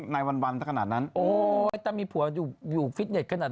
ส่วนใหญ่ก็จะเจอเขา